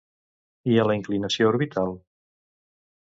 I a la inclinació orbital?